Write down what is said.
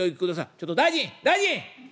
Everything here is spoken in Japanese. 「ちょっと大臣大臣！